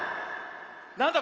なんだ